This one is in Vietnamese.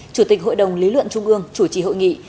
chủ tịch hội đồng lý luận trung ương chủ trì hội nghị